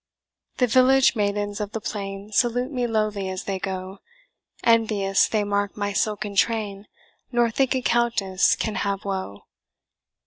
"The village maidens of the plain Salute me lowly as they go; Envious they mark my silken train, Nor think a Countess can have woe.